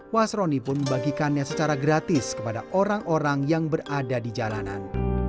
wasroni pun membagikannya secara gratis kepada orang orang yang berada di jalanan